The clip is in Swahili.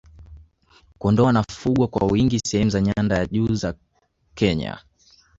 kondoo wanafugwa kwa wingi sehemu za nyanda za juu za kenya